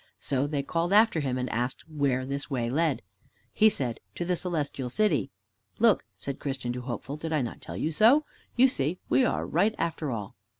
So they called after him, and asked where this way led. He said, "To the Celestial City." "Look," said Christian to Hopeful, "did I not tell you so? You see, we are right after all."